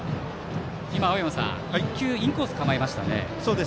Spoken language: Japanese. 今、１球インコースに構えましたね。